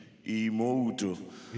妹。